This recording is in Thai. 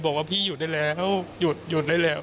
บอกว่าพี่หยุดได้แล้วหยุดหยุดได้แล้ว